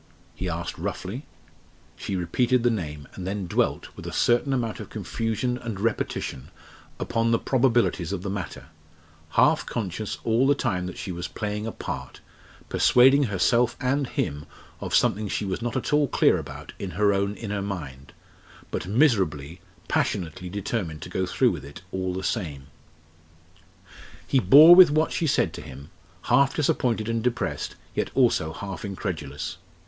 he asked roughly. She repeated the name, and then dwelt, with a certain amount of confusion and repetition, upon the probabilities of the matter half conscious all the time that she was playing a part, persuading herself and him of something she was not at all clear about in her own inner mind but miserably, passionately determined to go through with it all the same. He bore with what she said to him, half disappointed and depressed, yet also half incredulous.